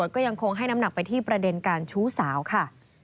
ก็ยังคงให้น้ำหนักไปที่ประเด็นการชู้สาวค่ะ